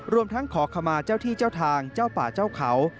รวมทั้งขอขมาเจ้าที่เจ้าทางเจ้าป่าเจ้าเขา